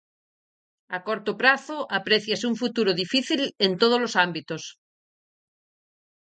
A corto prazo apréciase un futuro difícil en tódolos ámbitos.